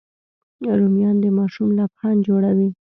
رومیان د ماشوم لبخند جوړوي